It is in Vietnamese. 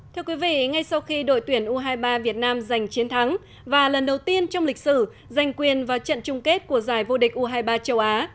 thưa quý vị ngay sau khi đội tuyển u hai mươi ba việt nam giành chiến thắng và lần đầu tiên trong lịch sử giành quyền vào trận chung kết của giải vô địch u hai mươi ba châu á